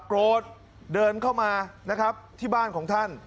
โกรธเดินเข้ามาที่บ้านของท่าน